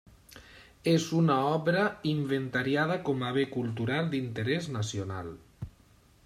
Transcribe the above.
És una obra inventariada com a Bé Cultural d'Interès Nacional.